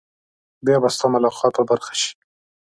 بیا به ستا ملاقات په برخه شي.